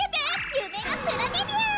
ゆめのプロデビュー！